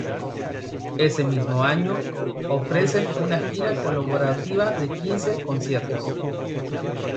Ese mismo año, ofrecen una gira colaborativa de quince conciertos.